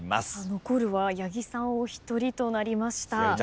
残るは八木さんお一人となりました。